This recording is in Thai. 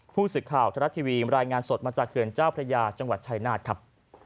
ผู้สื่อข่าวทรัฐทีวีรายงานสดมาจากเขื่อนเจ้าพระยาจังหวัดชายนาฏครับ